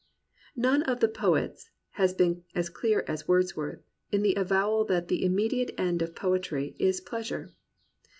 None of the poets has been as clear as Words worth in the avowal that the immediate end of p>o etry is pleasure.